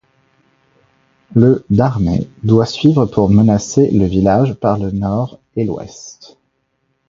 Le d'armée doit suivre pour menacer le village par le nord et l'ouest.